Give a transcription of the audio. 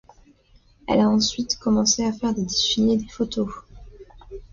Elle a ensuite commencé à faire des défilés et des photos.